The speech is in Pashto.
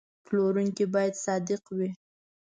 هر پلورونکی باید صادق وي.